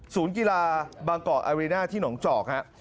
กีฬาบางกอกอารีน่าที่หนองจอกฮะ